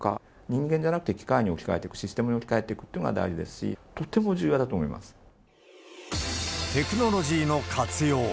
人間じゃなくて機械に置き換えていく、システムに置き換えていくということが大事ですし、テクノロジーの活用。